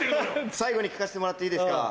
最後に聞かせてもらっていいですか？